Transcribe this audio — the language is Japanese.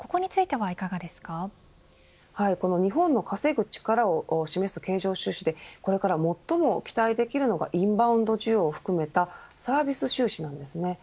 はい、この日本の稼ぐ力を示す経常収支でこれから最も期待できるのがインバウンド需要を含めたサービス収支なんですね。